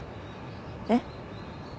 えっ？